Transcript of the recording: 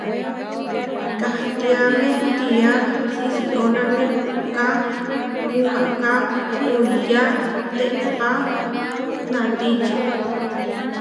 Kahtiamé tiá siʼsióname puʼká puhaká oiyá teʼpá natíči.